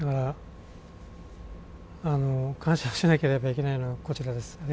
感謝をしなければいけないのはこちらです。